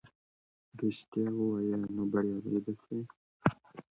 که رښتیا ووایې نو بریالی به سې.